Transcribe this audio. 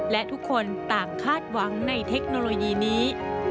และทุกคนต่างคาดหวังในเทคโนโลยีนี้